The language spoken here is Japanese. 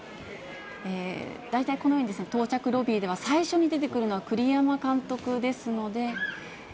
大体このように、到着ロビーでは、最初に出てくるのは栗山監督ですので。